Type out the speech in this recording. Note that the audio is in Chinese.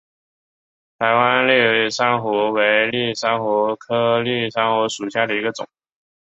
台湾蕈珊瑚为蕈珊瑚科蕈珊瑚属下的一个种。